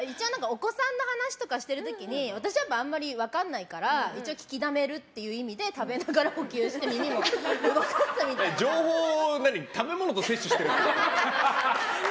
お子さんの話とかをしてる時に私はあんまり分からないから一応、聞きだめるという意味で食べながら、補給して情報を食べ物と摂取してるの？